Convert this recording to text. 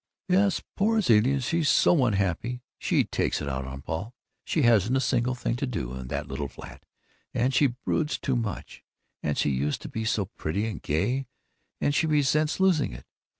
"Yes. Poor Zilla, she's so unhappy. She takes it out on Paul. She hasn't a single thing to do, in that little flat. And she broods too much. And she used to be so pretty and gay, and she resents losing it.